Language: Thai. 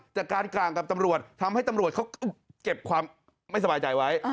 กลางกับตำรวจทำให้ตำรวจเขาเก็บความไม่สบายใจไว้